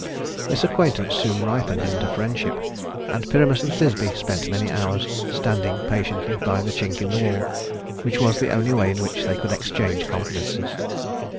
This acquaintance soon ripened into friendship, and Pyramus and Thisbe spent many hours standing patiently by the chink in the wall, which was the only way in which they could exchange confidences.